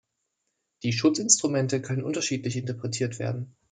Die Schutzinstrumente können unterschiedlich interpretiert werden.